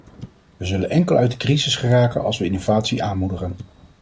We zullen enkel uit de crisis geraken als we innovatie aanmoedigen.